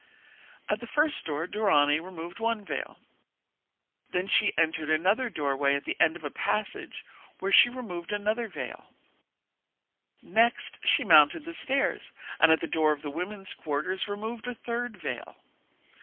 At the first door Dorani removed one veil; then she entered another doorway at the end of a passage where she removed another veil; next she mounted the stairs, and at the door of the women's quarters removed a third veil.